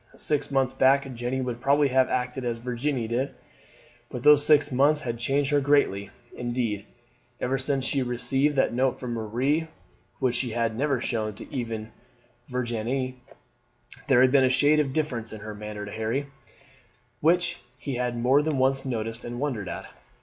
Six months back Jeanne would probably have acted as Virginie did, but those six months had changed her greatly; indeed, ever since she received that note from Marie, which she had never shown even to Virginie, there had been a shade of difference in her manner to Harry, which he had more than once noticed and wondered at.